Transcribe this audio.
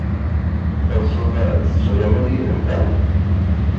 Teɣsed ad tettɣimid yid-nteɣ?